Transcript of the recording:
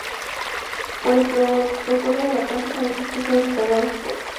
Por el "Protocolo de la Casa" sabemos que fueron encargados por fr.